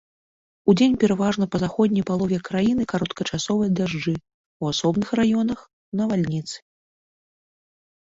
Удзень пераважна па заходняй палове краіны кароткачасовыя дажджы, у асобных раёнах навальніцы.